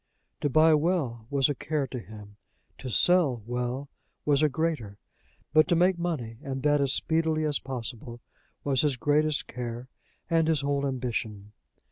To buy well was a care to him, to sell well was a greater, but to make money, and that as speedily as possible, was his greatest care, and his whole ambition.